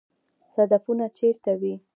صدفونه چیرته وي؟